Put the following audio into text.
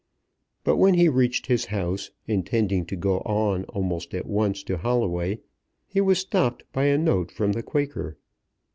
But when he reached his house, intending to go on almost at once to Holloway, he was stopped by a note from the Quaker.